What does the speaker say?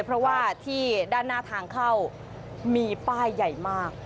เพราะว่าที่ด้านหน้าทางเข้ามีป้ายใหญ่มาก